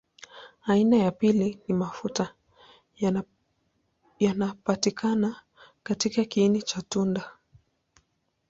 Aina ya pili ni mafuta yanapatikana katika kiini cha tunda.